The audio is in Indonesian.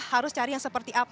harus cari yang seperti apa